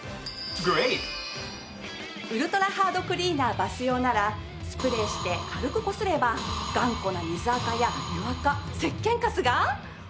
ウルトラハードクリーナーバス用ならスプレーして軽くこすれば頑固な水アカや湯アカせっけんカスがほら！